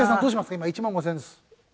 今１万５０００円です。